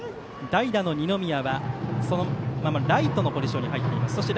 代打の二宮は、そのままライトのポジションに入りました。